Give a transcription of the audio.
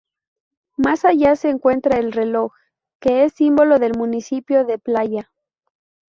Más allá se encuentra el reloj, que es símbolo del municipio de Playa.